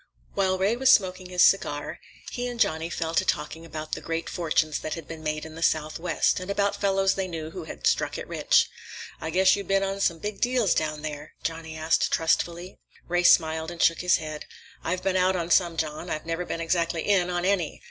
While Ray was smoking his cigar, he and Johnny fell to talking about the great fortunes that had been made in the Southwest, and about fellows they knew who had "struck it rich." "I guess you been in on some big deals down there?" Johnny asked trustfully. Ray smiled and shook his head. "I've been out on some, John. I've never been exactly in on any.